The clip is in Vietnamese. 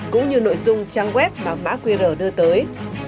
cũng như nội dung trang web mà mã qr đưa tới